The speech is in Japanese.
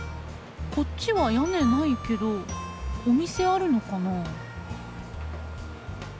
こっちは屋根ないけどお店あるのかな？